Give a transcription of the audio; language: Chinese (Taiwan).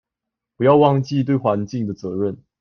不要忘記對環境的責任